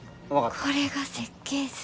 これが設計図。